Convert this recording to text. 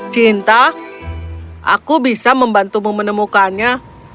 cinta aku bisa membantumu menemukannya